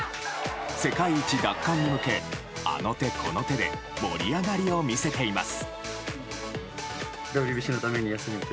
世界一奪還に向けあの手この手で盛り上がりを見せています。